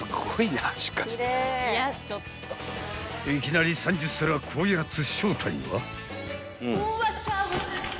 ［いきなり３０皿こやつ正体は］